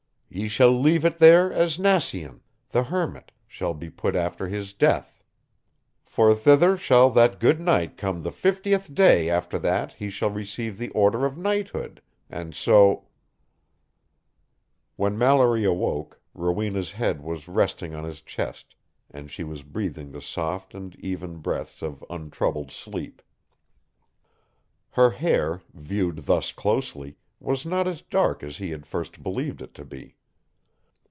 Ye shall leave it there as Nacien, the hermit, shall be put after his death; for thither shall that good knight come the fifteenth day after that he shall receive the order of knighthood: and so...." When Mallory awoke, Rowena's head was resting on his chest, and she was breathing the soft and even breaths of untroubled sleep. Her hair, viewed thus closely, was not as dark as he had at first believed it to be.